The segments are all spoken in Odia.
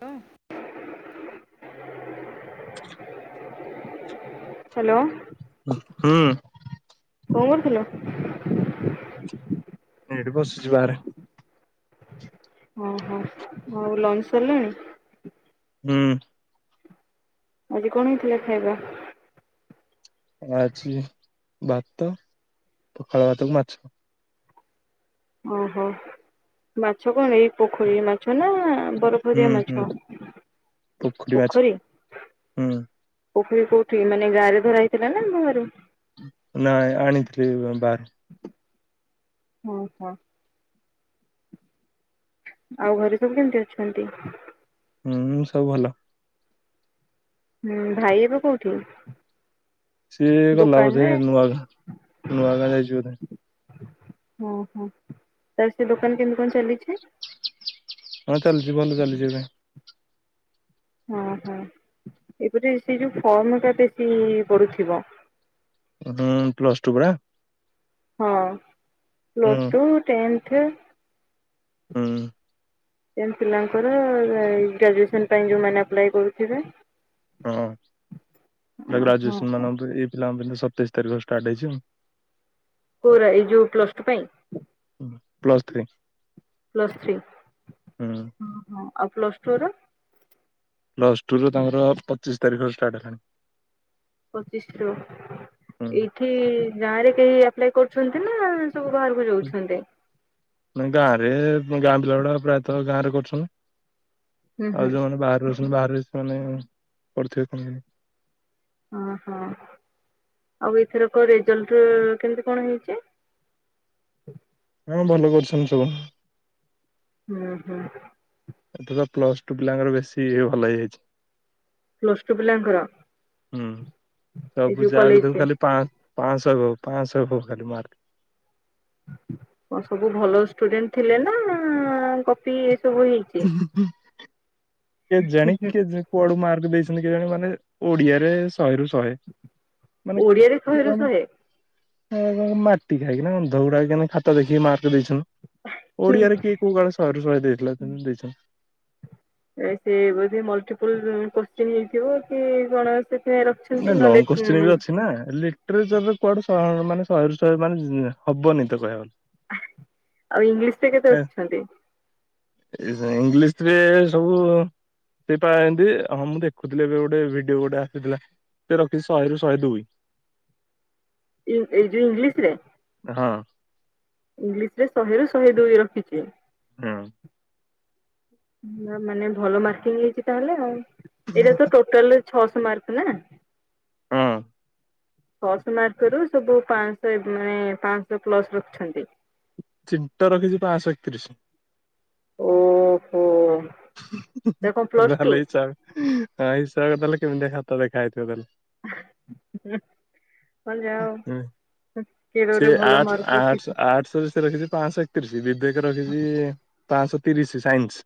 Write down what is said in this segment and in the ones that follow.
କ ହ୍ୟାଲୋ। ହୁଁ। କଣ କରୁଥିଲ? ଏଇଠି ବସିଛି ବାହାରେ। ଓହୋ ଆଉ ଲଞ୍ଚ ସରିଲାଣି? ହୁଁ। ଆଜି କଣ ହେଇଥିଲା ଖାଇବା? ଆଜି ଭାତ, ପଖାଳ ଭାତକୁ ମାଛ। ଓହୋ ମାଛ କଣ ଏଇ ପୋଖରୀ ମାଛ ନା ହୁଁ ବରଫଦିଆ ହୁଁ। ମାଛ ପୋଖରୀ। ହୁଁ। ପୋଖରୀ କୋଉଠି ମାନେ ଗାଁରେ ଧରାହେଇଥିଲା ନା ଘରୁ। ନାଇଁ ଆଣିଥିଲି ବା [inaudible] ହଁ, ହୋ। ଆଉ ଘରେ ସବୁ କେମିତି ଅଛନ୍ତି? ହୁଁ ସବୁ ଭଲ। ହୁଁ ଭାଇ ଏବେ କୋଉଠି? ସିଏ ଗଲା ବୋଧେ ଦୋକାନରେ ନୂଆ ଗାଁ, ନୂଆ ଗାଁ ଯାଇଚି ବୋଧେ। ଓ ହୋ ତାର ସେ ଦୋକାନ କେମିତି କଣ ଚାଲିଛି? ହଁ ଚାଲିଚି, ଭଲ ଚାଲିଚି ଏବେ। ହଁ ହୋ ଏପଟେ ସେ ଯୋଉ ଫମ୍ ଟା ବେଶୀ ପଡୁଥିବ। ହୁଁ ପ୍ଲସ ଟୁ ପରା। ହଁ ପ୍ଲସ୍ ହୁଁ। Two tenth. ହୁଁ। ଏମ୍ ପିଲାଙ୍କର ଏଇ ଗ୍ରାଜୁଏସନ ପାଇଁ ଯୋଉମାନେ ଆପ୍ଲାଏ କରୁଥିବେ। ହଁ [unintelligible] ହଁ ଗ୍ରାଜୁଏସନ ହଁ। ମାନଙ୍କ ପାଇଁ ଏଇ ପିଲାଙ୍କ [unintelligible] ସତେଇଶ ତାରିଖ ଷ୍ଟାର୍ଟ ହେଇଛି ଆଉ। କୋଉରା ଏଇ ଯୋଉ ପ୍ଲସ ଟୁ ପାଇଁ? Plus three. ପ୍ଲସ ଥ୍ରୀ ହୁଁ ହଁ ହଁ। ଆଉ ପ୍ଲସ୍ ଟୁର? ପ୍ଲସ ଟୁର ତାଙ୍କର ପଚିଶ ତାରିଖ ଷ୍ଟାର୍ଟ ହେଲାଣି। ପଚିଶ ତାରିକ ହୁଁ। ଏଇଠି ଗାଁରେ କେହି ଆପ୍ଲାଏ କରୁଛନ୍ତି ନାଁ ହୁଁ ନାଇଁ ଗାଁରେ ଗାଁ‌ ପିଲାଉଡ଼ା ପ୍ରାୟ ତ ଗାଁରେ କରୁଛନ୍ତିି। ହୁଁ ହୁଁ। ଆଉ ଯୋଉମାନେ ବାହାରୁ [unintelligible] ବାହାରେ ବି ସେମାନେ ପଢିଥିବେ କଣ? କଁ ହଁ ଆଉ ଏଥରକ ରେଜଲ୍ଟ କେମିତି କଣ ହେଇଚି? ହଁ ଭଲ କରିଛନ୍ତି ସବୁ। ହୁଁ ହୁଁ। ଏଥର ପ୍ଲସ ଟୁ ପିଲାଙ୍କର ବେଶୀ ଭଲ ହେଇଯାଇଛି। ପ୍ଲସ ଟୁ ପିଲାଙ୍କର ହୁଁ ଏଇ ଯୋଉ କଲେଜରେ। ସବୁ ପାଁଶ ଉପରେ ଖାଲି ମାର୍କ। କଣ ସବୁ ଭଲ ଷ୍ଟୁଡେଣ୍ଟ ଥିଲେ ନାଁ କପି ସବୁ ହେଇଚି। କେଜାଣି କିଏ ଜା କୁଆ ସବୁ ମାର୍କ ଦେଇଛନ୍ତି କେଜାଣି ମାନେ ଓଡିଆରେ ଶହେରୁ ଶହେ ମାନେ ଓଡିଆରେ ଶହେରୁ କିଅ ଶହେ। ଏଇ କଣ ମାଟି ଖାଇକିନା ଅନ୍ଧଗୁଡାକ କେନି ଖାତ ଦେଖିକି ମାର୍କ ଦେଇଛନ୍ତିି। ହୁଁ ଓଡିଆରେ କିଏ କୋଉ କାଳେ ଶହେରୁ ଶହେ ଦେଇଥିଲା ତମେ ଦେଇଚ? ଏ ସେ ବୋଧେ ମଲଟିପୁଲ କୋଶ୍ଚିନ୍ ହେଇଥିବ କି କଣ? ସେଥିପାଇଁ ରଖିଛନ୍ତି ନାଇଁ ନହେଲେ ଲଙ୍ଗ କୋଶ୍ଚିନ୍ ଉଁ ବି ଅଛି ନାଁ ଲିଟରେଚରରେ କୁଆଡ଼ୁ ତ ମାନେ ଶହେରୁ ଶହେ ମାନେ ହବନି ତ କହିବା ଗଲେ। ଆଉ ଇଂଲିଶରେ କେତେ ରଖିଛନ୍ତି? ଇ ଇଂଲିଶରେ ସବୁ ସେ ପା ଏନ୍ତି ହଁ ମୁଁ ଦେଖୁଥିଲି ଏବେ ଗୋଟେ ଭିଡିଓ ଗୋଟେ ଆସିଥିଲା। ସେ ରଖିଚି ଶହେରୁ ଶହେ ଦୁଇ। ଏ ଏଇ ଯୋଉ ଇଂଲିଶରେ? ହଁ ଇଂଲିଶରେ ଶହେରୁ ଶହେ ଦୁଇ ରଖିଚି। ହଁ ନାଁ ମାନେ ଭଲ ମାର୍କିଂ ହେଇଚି ତାହେଲେ ଆଉ। ଏଇଟା ତ ଟୋଟଲର ଛଅଶ ମାର୍କ ନାଁ? ହଁ। ଛଅଶ ମାର୍କରୁୁ ସବୁ ପାଁଶ ଏ ମାନେ ପାଁଶ ପ୍ଲସ ରଖିଛନ୍ତି। ଚିନ୍ତା ରଖିଚି ପାଁଶ ଏକତିରିଶି। ଓହୋ। ଏଟା କଣ ପ୍ଲସ ଟୁ ନହଲେ ଚା ଦେଲେ କେମିତିଖାତ ଦେଖାହଇଥିବ ତାଲେ। ହ ହଁ ସେ ଗୋଟେ ଭଲ ଆଠ ମାର୍କ ରଖିଛି ଆଠ ଆଠଶହ ସେ ରଖିଛି ପାଞ୍ଚଶହ। ତଥି ସେ ବି [unintelligible] ରଖିଛି ପାଶ। ତିରିଶ ସାଇନ୍ସ।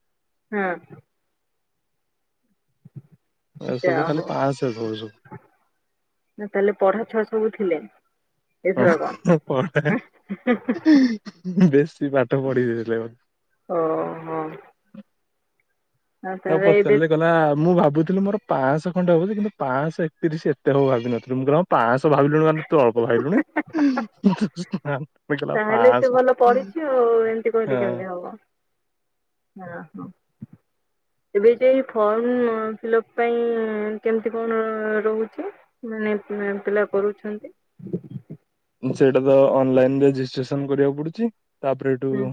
ହଁ ସବୁ ଖାଲି ଯାହୋ ପାଁଶହ ସବୁ ସବୁ। ତାହେଲେ ପଢା ଛୁଆ ସବୁ ଥିଲେ। ଏଥରକ। ହ ପ ବେଶୀ ପାଠ ପଢି ଦେଇଥିଲେ। ଓହୋ ଆଉ ତାକୁ ତାହେଲେ ଏବେ ପଚାରିଲେ ଗଲା ମୁଁ ଭାବୁଥିଲି ମୋର ପାଶହ ଖଣ୍ଡେ ହଉଛି କିନ୍ତୁ ପାଞ୍ଚଶହ ଏକତିରିଶ ଏତେ ହବ ଭାବିନଥିଲି ମୁଁ କଣ ପାଞ୍ଚଶହ ଭାବିଲୁଣି କ ତୁ ଅଳ୍ପ ଭାବିଲୁଣି। କହିଲା ତାହେଲେ ସେ ପାଁଶହ ଭଲ ପଢିଛି ଆଉ ଏମିତି କହିଲେ କେମିତି ହବ ହ ହୋ। ଏବେ ଯ ଫର୍ମ ଫଅପ ପାଇଁ କେମିତି କଣ ରହୁଛି ମାନେ ପିଲା କରୁଛନ୍ତି। ସେଇଟା ତ ଅନଲାଇନରେ ରେଜିଷ୍ଟ୍ରେସନ କରିବାକୁ ପଡୁଛି। ତାପରେ ଏଠୁ ହୁଁ ହଁ।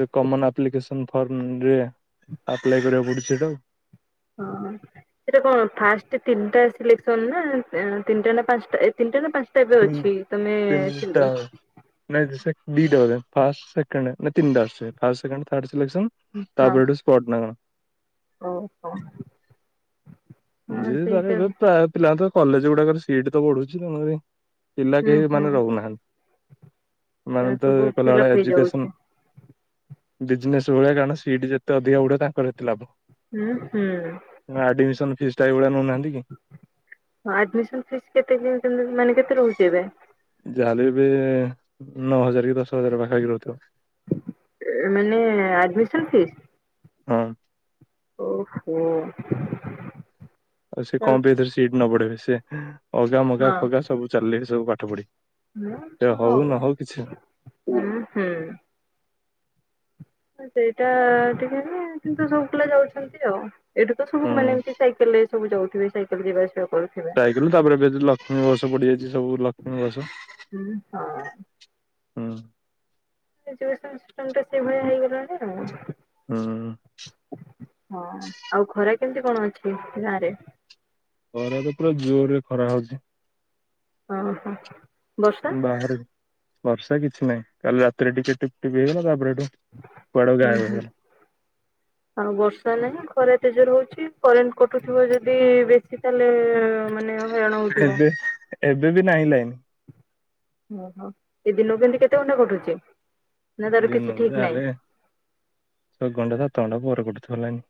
ଯେ କମନ ଆପ୍ଲିକେସନ୍। ଫର୍ମ ରେ ଆପ୍ଲାଏ କରିବାକୁ ପଡୁଛି ତ। ହଁ ସେଟା କଣ ଫା ତିନିଟା ସିଲେସନ ନା ତିନିଟା ନା ପାା ନିଟା ନା ପାଞ୍ଚ ତିନଟା ନାଇ ସେ ଦିଟା ବୋଧେ। ଫ ସେକେଣ୍ଡ ନାଇ ତିନଟା ଆସୁଚି ଫାଷ୍ଟ ସେକେଣ୍ଡ ଥାର୍ଡ ସିଲେକ୍ସନ। ହଁ ତାପରେ ଏଠୁ ସ୍ପଟ ନା କଣ। ଓହୋ। ହଁ ଦିି [inaudible] ସେଇ ହିସାବ ପ୍ରାୟ ପିଲତ କଲେଜ ଗୁଡାକରେ ସିଟ ତ ବଢୁଛି ତରେ ପିଲା ହୁଁ କେହି ହୁଁ ମାନେ ରହୁନାହାନ୍ତି ମାନେ ତ ସବୁ ଫିଲଅପ କଲାବେଳେ ହେଇଯାଉଛି ଏଜୁକେସନ। ବିଜନେସ୍ ଭଳିଆ କାରଣ ସିଟ ଯେତେ ଅଧିକା ବୁଡଆ ତାଙ୍କର ଏତେ ଲାଭ। ହୁଁ ହୁଁ। ଭଳିଆ ନୌ ନାଁ ଆଡମିନ ଫିସ୍ କେତେ ମାନେ କେ କେତେ ରହୁଛି ଏବେ? ଯାହାଲେ ଏବେ ନଅ ହଜାର। ଦଶ ହଜାର ପାଖାପାଖି ରହୁଥିବ ମାନେ ଆ। [unintelligible] ଛତିଶ। ହଁ ଓହୋ ଆଉ ସେ ହଁ କଣ ପାଇଁ ଏଥରେ ସିଟ ନ ବଢେଇବେ ସେ ଅଗା ମଗା ଖଗା ସବୁ ଚାଲିଲେ ସବୁ ପାଠ ପଢି ସେ ହଉ ନହଉ କିଛି। ହୁଁ ହୁଁ। ସେଇଟା ଟିକେ କିନ୍ତୁ ସବୁ ପିଲା ଯାଉଛନ୍ତି ଆଉ। ଏଇଠୁ ତ ସବୁ ହୁଁ ମାନେ ଏମିତି ସାଇକେଲରେ ସବୁ ଯାଉଥିବେ। ସାଇକଲ ଯିବା ଆସିବା। କରୁଥିବେ। କଲୁ ତାପରେ ଏବେ ଲକ୍ଷ୍ମୀ ବସ ପଡିଯାଇଛି ସବୁ ଲକ୍ଷ୍ମୀ ବସ। ହଁ ଏ ଟା ସେ ଭଳିଆ ହେଇଗଲାଣି ଆଉ। ହଁ ହଁ ଆଉ ଖରା କେମତି କଣ ଅଛି ଗାଁରେ? ଖରା ତ ପୁରା ଜୋରେ ଖାର ହଉଚି। ଓ ହୋ ବର୍ଷା ବାହାରେ ବର୍ଷା କିଛି ନାହିଁ କାଲି ରାତିରେ ଟିକେ ଟିପ ଟିପ ହେଇଗଲା ତାପରେ। ହେଠୁ କୁଆଡେ ହୁଁ ଗାୟବ ହୁଁ ହେଇଗଲା। ଆଉ ବର୍ଷା ନାହିଁ ଖରା। ଏତେ ଜୋରେ ହଉଛି କରେଣ୍ଟ କଟୁଥିବ ଯଦି ବେଶୀ ତାହେଲେ ମାନେ। ହଇରାଣ ହଉଥିବ। ଏବେ ଏବେ ବି ନାହିଁ ଲାଇନି। ଓହୋ ଏ ଦିନ କେମିତି କେତେ ଘଣ୍ଟା କଟୁଛି। ନା ତାର କିଛି ଦିନକୁ ଠିକ ଯାହା ନାହିଁ ହେଲେ ଛ ଘଣ୍ଟା ସାତ ଘଣ୍ଟା ପରେ କଟୁଛି। ଲାଣିି।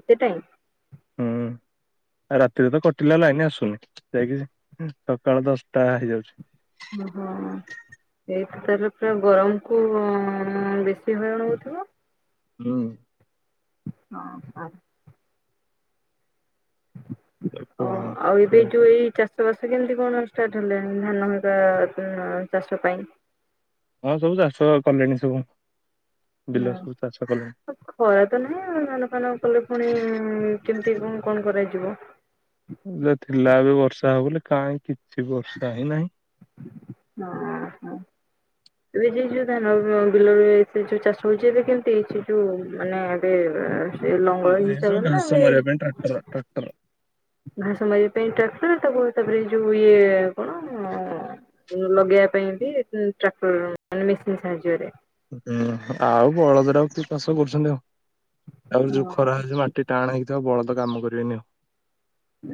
ଏତେ ଟାଇମ୍। ଆଉ ରାତିରେ ତ କଟିଲା ଲାଇନି ଆସୁନି ଯାଇକି ସକାଳ ଦଶଟା ହେଇଯାଉଛି। ଓହୋ ଏଇଠି ତାହଲେ ପୁରା ଗରମ କୁ ବେଶୀ ହଇରାଣ ହଉଥିବ। ହୁଁ ହଁ ସ ଅ ଆଉ ଏବେ ଯୋଉ ଏଇ ଚାଷ ଚାଷ କେମିତି କଣ ଷ୍ଟାର୍ଟ ହେଲେଣି ଧାନ ହେରିକା ଆ ଚାଷ ପାଇଁ। ହଁ ସବୁ ଚାଷ କଲେଣି ସବୁ। ବିଲ ସବୁ ଚାଷ କଲେଣି। ହଁ ଖରା ତ ନାହିଁ ଧାନ ଫାନ କଲେ ପୁଣି କେମତି କଣ କଣ କରାଯିବ। ଯା ଥିଲା ଏବେ ବର୍ଷା ହବ ବୋଲି କାହିଁ କିଛି ବର୍ଷା ହି ନାହିଁ। ହଁ ହୋ ଏବେ ଯେ ଯୋଉ ଧାନ ବିଲରେ ଏ ଯୋଉ ଚାଷ ହଉଛି ଏବେ କେମିତି ହେଇଛି ଯୋଉ ମାନେ ଏବେ। ସେ ଲଙ୍ଗଳ ଏ ସବୁ ହିସାବରେ ନା ଘାସ ଏବେ ମାରିବା ପାଇଁ ଟ୍ରାକ୍ଟର ଟ୍ରାକ୍ଟର। ଘାସ ମାରିବା ପାଇଁ ଟ୍ରାକ୍ଟର ତାକୁ ତାପରେ ଯୋଉ ଇଏ [unintelligible] ଲଗେଇବା ପାଇଁ ବି ଟ୍ରାକ୍ଟର ମାନେ ମେସିନ୍ ସାହାଯ୍ୟରେ। ହୁଁ ଆଉ ବଳଦର ଆଉ କିଏ ଚାଷ କରୁଛନ୍ତି ଆଉ। ଆଉ ଯୋଉ ଖରା ହେଉଛି ମାଟି ଟାଣ ହେଇଥିବ ବଳ ଲୋକ କାମ କରିବେନି ଆଉ।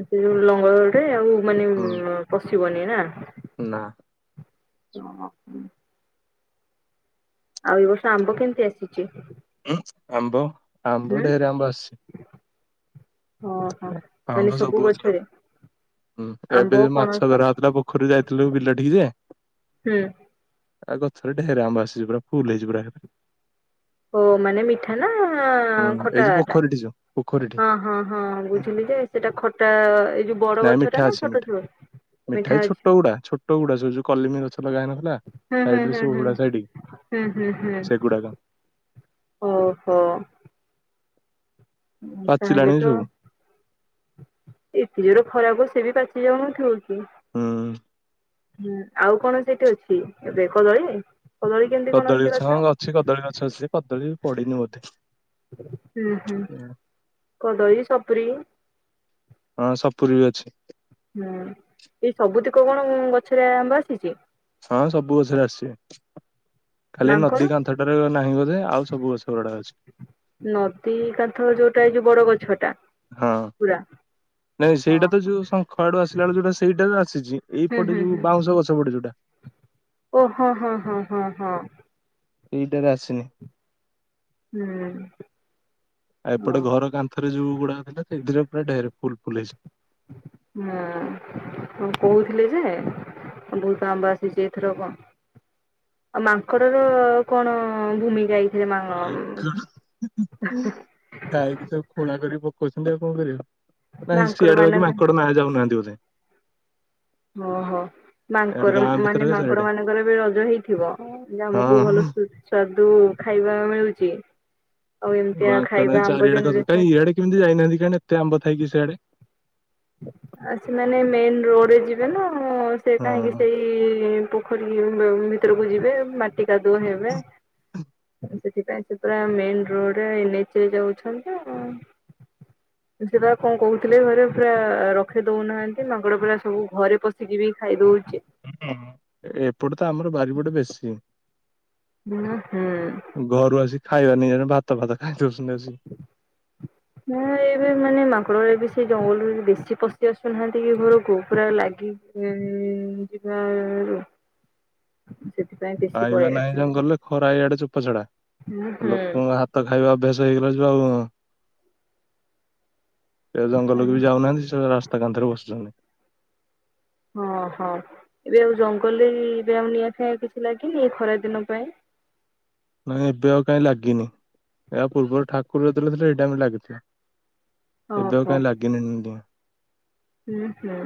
ସେ ଯୋଉ ଲଙ୍ଗଳଟି ଆଉ ମାନେ ହୁଁ ପଶିବନି ନା ନା ହଁ ହଁ। ଆଉ ଏ ବର୍ଷ ଆମ୍ବ କେମିତି ଆସି ଆମ୍ୱ ଆମ୍ବ ହୁଁ ଢେର ଆମ୍ଵ ଆସିଚି। ଆମ୍ଵ ସବୁ ଗଛରେ ହୁଁ ଆମ୍ବ ଏବେ ପଣସ ମାଛ ଧରାହଉଥିଲା ପୋଖରୀକି ଯାଇଥିଲୁ ବିଲ ଟିକି ଯେ ହୁଁ ଆ ସାଢେର ଆମ୍ୱ ଆସିଚି ପରା ଫୁଲ ହେଇଯିବ ପରା ଓ ମାନେ ମିଠା ନା ହୁଁ ଏଇ ଖଟା ଯୋଉ ଟା ପୋଖରୀଠି ଯୋଉ ପୋଖରୀଠି ହଁ ହଁ ହଁ ବୁ ଲି ଯେ ସେଟା ଖଟା ଏଇ ଯୋଉ ବଡ ନାଇଁ ଗଛଟା ମିଠା ନା ଅଛି ଛୋଟ ମିଠା ଛୋ ଏଇ ମିଠା ଛୋଟ ଅଛି ଗୁଡା ଛୋଟ ଗୁଡା ସବୁ ଯୋଉ କଲିମି ଗଛ ଲଗା ହେଇନଥିଲା ହୁଁ ହୁଁ ସାଇଡରେ ହୁଁ ସବୁ ହୁଁ ହୁଡା ସାଇଡ ହୁଁ ହୁଁ ସେଗୁଡାକ ହୁଁ। ଓ ହୋ। ତାହେଲେ ପାଚିଲାଣି ତ ସବୁ ଏତେ ଜୋର ଖରା ହବ ସେ ବି ପା ଯଉଁଠୁ [unintelligible] ହୁଁ ହୁଁ ଆଉ କଣ ସେଇଠି ଅଛି ଏବେ କଦଳୀ କଦଳୀ କେମିତି କଣ କଦଳୀ ଅଛି ଗଛ ହଁ ଅଛି କଦଳୀ ଗଛ ଅଛି କଦଳୀ ପଡିନି ବୋଧେ। ହୁଁ ହୁଁ କଦଳୀ, ସପୁରୀ ହଁ ସପୁରୀ ବି ଅଛି। ହୁଁ ଏଇ ସବୁତିକ କଣ ଉଁ ଗଛରେ ଆମ୍ବ ଆସିଛି। ହଁ ସବୁ ଗଛରେ ଆସିଚି। ଖାଲି ମାଙ୍କଡ ନଦୀ କାନ୍ଥଟାରେ ନାହିଁ ବୋଧେ ଆଉ ସବୁ ଗଛ ଗୁଡା ଅଛି। ନଦୀ କାନ୍ଥ ଯୋଉଟା ଏଇ ଯୋଉ ବଡ ଗଛ ଟା ହଁ। ପୁରା। ନାଇଁ ହଁ ସେଇଟା ତ ହଁ ଯୋଉ ଶଙ୍ଖ ଆଡୁ ଆସିଲାବେଳେ ଯୋଉଟା ସେଇଟା ହୁଁ, ହୁଁ, ହୁଁ ଯୋଉଟା ଓ ହୋ ହଁ, ହଁ, ହଁ, ହଁ, ହଁ। ଏଇଟାରେ ଆସିନି। ହୁଁ ଆଉ ଓ ଏପଟେ ଘର କାନ୍ଥରେ ଯୋଉ ଗୁଡାକ ଥିଲା ସେଇଥିରେ ପୁରା ଢେର ଫୁଲ୍ ଫୁଲ୍ ହେଇଛି। ହଁ ହଁ କହୁଥିଲେ ଯେ ବହୁତ ଆମ୍ବ ଆସିଚି, ଏଇଥରକ ଆଉ ମାଙ୍କଡର କଣ ଭୂମିକା ଏଇ ମାଙ୍କଡ ଖାଇକି ସବୁ ଖୋଳା କରି ପ ଅଛନ୍ତି ଆଉ କଣ କରିବା? ନାହିଁ ମାଙ୍କଡ ସିଆଡୁ ବାକି ମାନଙ୍କ ମାଙ୍କଡ ନା ଯାଉନାହାନ୍ତି ବୋଧେ। ଓ ହୋ ଇଆଡେ ମାଙ୍କର ଗାଁ ମାନେ ଭିତରେ ମାଙ୍କଡ ଚାରିଆଡେ ମାନଙ୍କର ବି ରଜ ହେଇଥିବ ଯେ ଆମକୁ ଭଲ ହଁ। ସୁସ୍ୱାଦୁ ଖାଇବା ମିଳୁଚି। ମାଙ୍କଡ ଚାରିଆଡ କ କାଇଁ ଇଆଡେ କିମିତି ଯାଇନାହାଁନ୍ତି କଣ ଏତେ ଆମ୍ବ ଥାଇକି ବି ସିଆଡେ। ଆଉ ସେମାନେ ମେନ ରୋଡ୍ ରେ ଯିବେ ନା। ହଁ ସେ ହଁ। କାହିଁକି ସେଇ ପୁ [unintelligible] ଭିତରକୁ ଯିବେ ମା ଟିକା ଦୋ ହେବେ ହଁ। ସେଥିପାଇଁ ସେ ପୁରା ମେନ ରୋଡରେ ଏନ ଏଚ ଯାଉଛନ୍ତି। ଅ, ସିଏ ପରା କଣ କହୁଥିଲେ ଘରେ ପୁରା ରଖି ଦଉନାହାନ୍ତି ମାଙ୍କଡ଼ ପୁରା ସବୁ ଘରେ ପଶିକି ବି ଖାଇ ଦଉ ଏପଟେ ତ ଆମର ବାରିପଟେ ବେଶୀ। ନା, ହଁ। ଘରୁ ଆସି ଖାଇବା ନିି ଜଣେ ଭାତ ଭାତ ଖାଇଦଉ ନା ଏବେ ମାନେ ମାଙ୍କଡ଼ରେ ବେଶି ସେ ଜଙ୍ଗଲରୁ ବେଶୀ ପଶି ଆସୁନାହାନ୍ତି କି ଘରକୁ ପୁରା ଲାଗି ଉମ୍, ଯିବାରୁ ସେଥିପାଇଁ ବେଶୀ ଖାଇବା ପଳେଇ ନାହିଁ ଆସିଲେ ଜଙ୍ଗଲରେ ଖରା ଇଆଡେ ଚୁପ ଛଡା ହୁଁ ହୁଁ ଲୋକଙ୍କ ହାତ ଖାଇବା ଅଭ୍ୟାସ ହେଇଗଲା ଯୋଉ ସେ ଜଙ୍ଗଲକୁ ବି ଯାଉନାହାନ୍ତି ସେ [unintelligible] ରାସ୍ତା କାନ୍ଧରେ ବସୁଚନ୍ତି। ହଁ ହଁ ଏବେ ଆଉ ଜଙ୍ଗଲରେ ଇ-ଏବେ ଆଉ ନିଆଁ ଫିଆଁ କିଛି ଲାଗିନି ଏ ଖରା ଦିନ ପାଇଁ। ନାଇଁ ଏବେ ଆଉ କାହିଁ ଲାଗିନି, ଏହା ପୂର୍ବରୁ ଠାକୁର ଯେତେବେଳେ ଥିଲେ ଏଇ ଟାଇମ୍ ଲାଗିଥିବ। ଏବେ ଆଉ ଓହୋ କାଇଁ ଲାଗିନି ନିଆଁ। ହୁଁ ହୁଁ।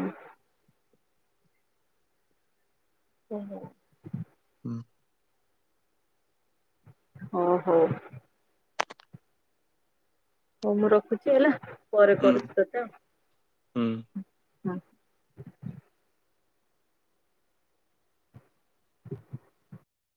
ଓ ହୋ। ହୁଁ। ଓ ହୋ। ହଉ ମୁଁ ରଖୁଚି ହେଲା। ପରେ ହୁଁ କରୁଚି ତତେ ହୁଁ। ଆଉ ହୁଁ। ହଁ। ହ